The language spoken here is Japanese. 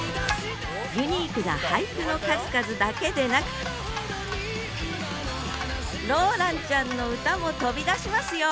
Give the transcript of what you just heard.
ユニークな俳句の数々だけでなくローランちゃんの歌も飛び出しますよ！